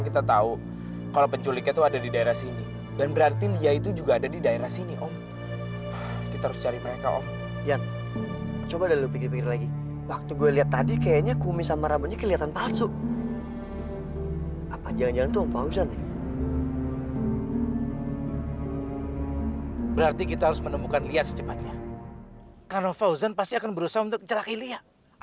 kalau kamu dendam sama aku bunuh aku tapi lepaskan lia